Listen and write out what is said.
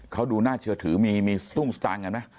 เขาดูน่าเชื้อถือมีเมืองทรงอีกนิดนึงน่ะ